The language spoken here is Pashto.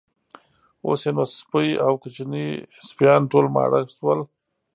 اوس یې نو سپۍ او کوچني سپیان ټول ماړه شول.